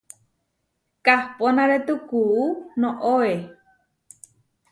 Kahponarétu kuú noóe.